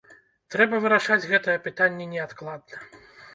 Трэба вырашаць гэтае пытанне неадкладна.